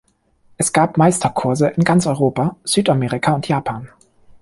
Er gab Meisterkurse in ganz Europa, Südamerika und Japan.